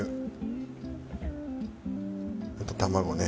あと卵ね。